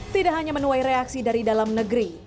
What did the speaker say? tidak hanya menuai reaksi dari dalam negeri